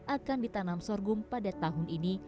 akan ditanam sorghum pada tahun ini